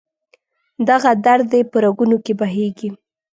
دغه درد دې په رګونو کې بهیږي